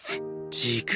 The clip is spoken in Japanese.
「ジーク」。